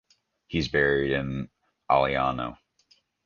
He is buried in Aliano.